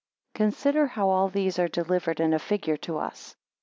3 Consider how all these are delivered in a figure to us.